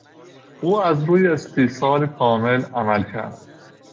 او از روی استیصال کامل عمل کرد.